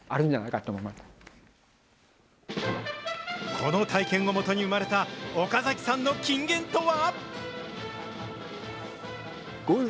この体験を基に生まれた岡崎さんの金言とは。